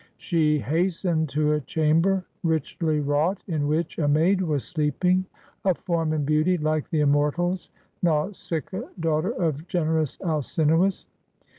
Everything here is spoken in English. She hastened to a chamber, richly wrought, in which a maid was sleep ing, of form and beauty like the immortals, Nausicaa, daughter of generous Alcinoiis.